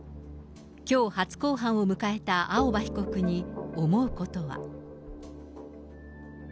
きょう初公判を迎えた青葉被告に思うことは。